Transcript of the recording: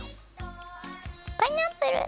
パイナップル。